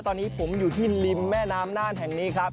ตอนนี้ผมอยู่ที่ริมแม่น้ำน่านแห่งนี้ครับ